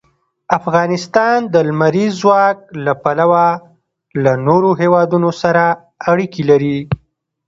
افغانستان د لمریز ځواک له پلوه له نورو هېوادونو سره اړیکې لري.